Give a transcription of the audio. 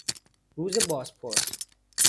روز بازپرس